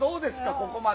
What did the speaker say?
ここまで。